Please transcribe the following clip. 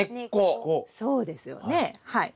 そうですよねはい。